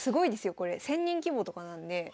これ１，０００人規模とかなんで。